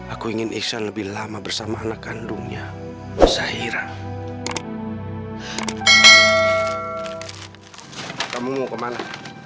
aku ingin iksan lebih lama bersama anak kandungnya zahira atau mau kemana